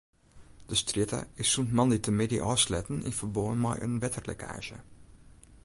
De strjitte is sûnt moandeitemiddei ôfsletten yn ferbân mei in wetterlekkaazje.